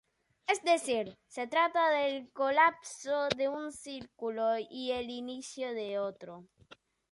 Es decir, se trata del colapso de un ciclo y el inicio de otro.